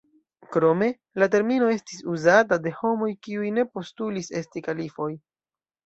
Krome, la termino estis uzata de homoj kiuj ne postulis esti kalifoj.